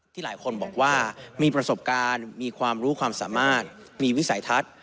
หลายคนบอกว่ามีประสบการณ์มีความรู้ความสามารถมีวิสัยทัศน์